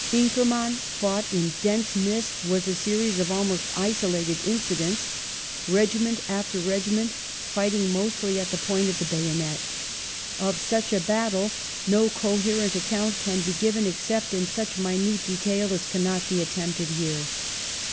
Inkerman, fought in dense mist, was a series of almost isolated incidents ; regiment against regiment, fighting mostly at the point of the bayonet. Of such a battle no coherent account can be given except in such minute detail as cannot be attempted here.